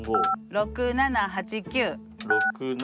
６７８９。